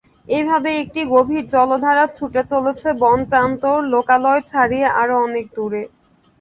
এভাবেই একটি গভীর জলধারা ছুটে চলছে বন-প্রান্তর, লোকালয় ছাড়িয়ে আরও অনেক দূরে।